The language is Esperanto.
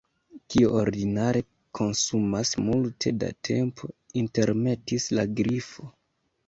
"Kio ordinare konsumas multe da tempo," intermetis la Grifo.